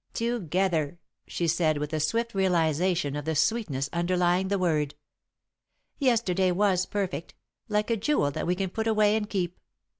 "Together," she said, with a swift realisation of the sweetness underlying the word. "Yesterday was perfect, like a jewel that we can put away and keep.